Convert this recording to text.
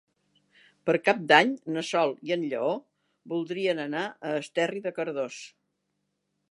Per Cap d'Any na Sol i en Lleó voldrien anar a Esterri de Cardós.